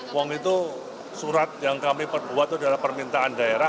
uang itu surat yang kami buat adalah permintaan daerah